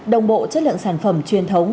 đồng bộ chất lượng sản phẩm truyền thống